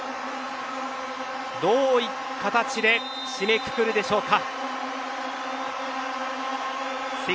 どういう形で締めくくるでしょうか。